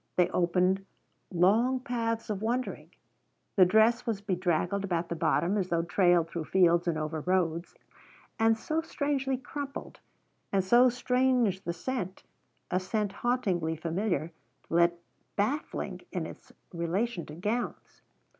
They opened long paths of wondering. The dress was bedraggled about the bottom, as though trailed through fields and over roads. And so strangely crumpled, and so strange the scent a scent hauntingly familiar, yet baffling in its relation to gowns.